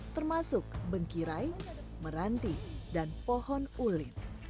termasuk bengkirai meranti dan pohon ulin